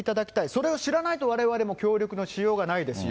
それを知らないと、われわれも協力のしようがないですよ。